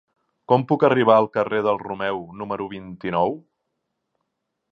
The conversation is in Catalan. Com puc arribar al carrer del Romeu número vint-i-nou?